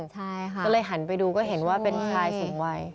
ใช่ค่ะก็เลยหันไปดูก็เห็นว่าเป็นชายสูงวัย